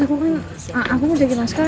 aku mau jagain askara